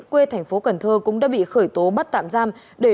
quê thành phố cần thơ cũng đã bị khởi tố bắt tạm giam